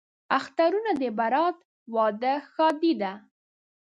اخترونه دي برات، واده، ښادي ده